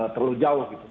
terlalu jauh gitu